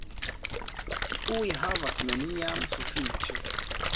Tiuj havas neniam sufiĉe.